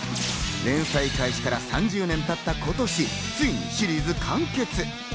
連載開始から３０年経った今年、ついにシリーズ完結。